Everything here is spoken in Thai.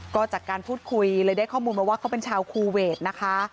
ก็จากการพูดคุยเลยได้ข้อมูลมาว่าเขาเป็นชาวคูเวทนะคะ